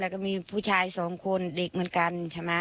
แล้วก็มีผู้ชาย๒คนเด็กเหมือนกัน